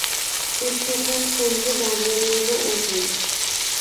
একটুক্ষণ থমকে দাঁড়িয়ে রইল অতীন।